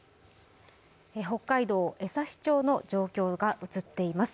北海道江差町の状況が映っています。